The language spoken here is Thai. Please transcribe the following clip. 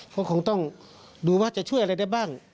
ก็คงต้องดูว่าจะช่วยอะไรได้บ้าง